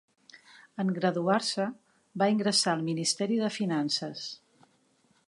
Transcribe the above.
En graduar-se, va ingressar al Ministeri de Finances.